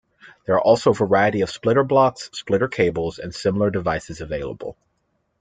There are also a variety of splitter blocks, splitter cables, and similar devices available.